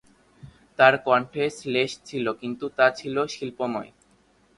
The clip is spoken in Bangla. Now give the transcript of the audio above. তাঁর কণ্ঠে শ্লেষ ছিল, কিন্তু তা ছিল শিল্পময়।